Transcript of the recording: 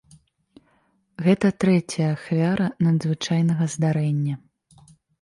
Гэта трэцяя ахвяра надзвычайнага здарэння.